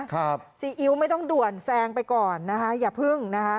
ซีอิ๊วไม่ต้องด่วนแซงไปก่อนนะคะอย่าพึ่งนะคะ